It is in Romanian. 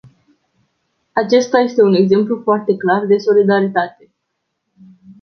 Acesta este un exemplu foarte clar de solidaritate.